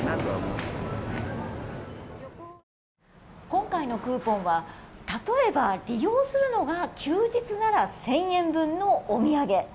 今回のクーポンは例えば利用するのが休日なら１０００円分のお土産。